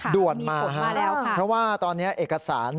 ด่วนมาแล้วค่ะเพราะว่าตอนนี้เอกสาร